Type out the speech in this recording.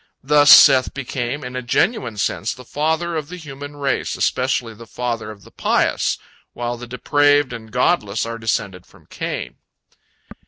Thus Seth became, in a genuine sense, the father of the human race, especially the father of the pious, while the depraved and godless are descended from Cain.